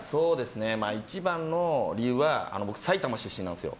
一番の理由は僕、埼玉出身なんですよ。